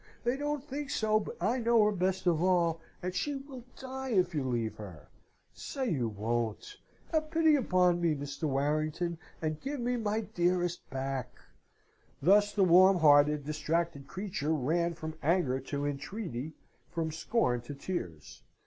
They don't think so but I know her best of all, and she will die if you leave her. Say you won't! Have pity upon me, Mr. Warrington, and give me my dearest back!" Thus the warm hearted, distracted creature ran from anger to entreaty, from scorn to tears.